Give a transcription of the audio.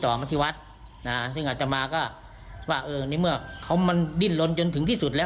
มาที่วัดซึ่งอาจจะมาก็ว่าเออในเมื่อเขามันดิ้นลนจนถึงที่สุดแล้ว